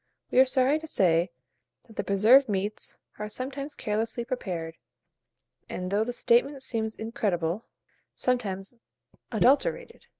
We are sorry to say that the preserved meats are sometimes carelessly prepared, and, though the statement seems incredible, sometimes adulterated.